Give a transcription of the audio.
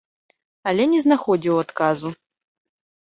Але не знаходзіў адказу.